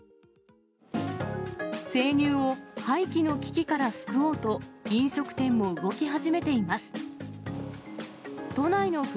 生乳を廃棄の危機から救おうと、飲食店も動き始めています。